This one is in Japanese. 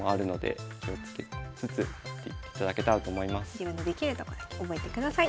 自分のできるとこだけ覚えてください。